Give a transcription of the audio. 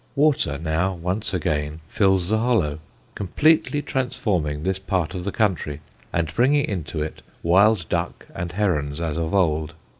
Water now, once again, fills the hollow, completely transforming this part of the country, and bringing into it wild duck and herons as of old.